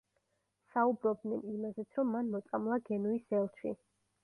საუბრობდნენ იმაზეც, რომ მან მოწამლა გენუის ელჩი.